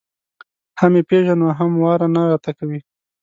هم یې پېژنو او هم واره نه راته کوي.